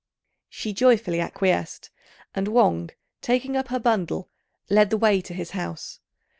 She joyfully acquiesced; and Wang, taking up her bundle, led the way to his house.